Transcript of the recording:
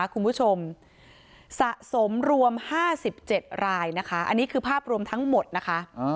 คุณผู้ชมสะสมรวม๕๗รายนะคะอันนี้คือภาพรวมทั้งหมดนะคะ